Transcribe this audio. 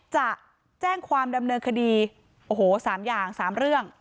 จะแจ้งความดำเนินคดีโอ้โห๓อย่าง๓เรื่อง